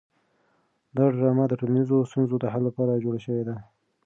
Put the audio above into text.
دا ډرامه د ټولنیزو ستونزو د حل لپاره جوړه شوې ده.